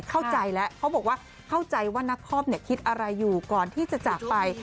เข้าใจแล้วเขาบอกว่าเข้าใจว่านักคอมคิดอะไรอยู่ก่อนที่จะจากไป